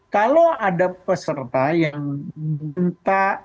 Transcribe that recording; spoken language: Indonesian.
kalau ada peserta yang minta